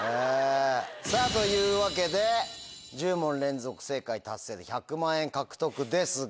さぁというわけで１０問連続正解達成で１００万円獲得ですが。